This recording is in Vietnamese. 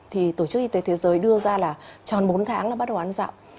thì tổ chức y tế thế giới đưa ra là tròn bốn tháng là bắt đầu ăn dặm